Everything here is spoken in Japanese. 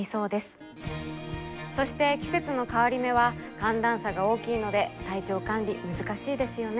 そして季節の変わり目は寒暖差が大きいので体調管理難しいですよね。